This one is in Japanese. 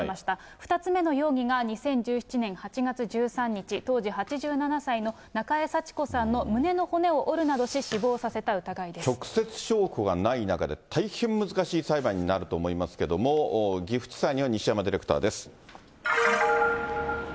２つ目の容疑が２０１７年８月１３日、当時８７歳の中江幸子さんの胸の骨を折るなどし、死亡させた疑い直接証拠がない中で、大変難しい裁判になると思いますけども、岐阜地裁には西山ディレクターです。